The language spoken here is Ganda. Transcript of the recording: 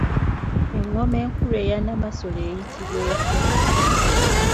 Engoma enkulu eya Nnamasole eyitibwa etya?